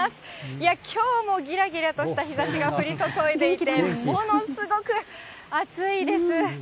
いや、きょうもぎらぎらとした日ざしが降り注いでいて、ものすごく暑いです。